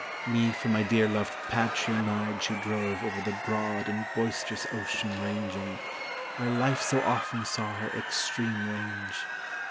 Me from my dear loved patrial nide she drove Over the broad and boisterous Ocean ranging, Where Life so often saw her èxtreme range.